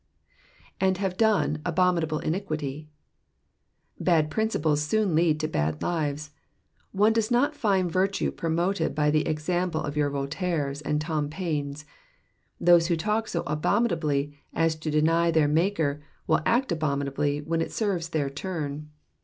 *'^And have done abominable iniquity. ^^ Bad principles soon lead to bad lives. One does not find virtue promoted by the example of your Voltaires and Tom Paines. Those who talk so abominably as to deny their Maker will act abominably when it serves their turn.